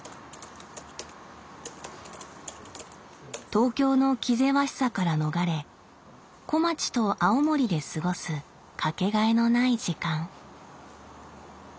東京の気ぜわしさから逃れ小町と青森で過ごす掛けがえのない時間。